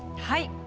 はい。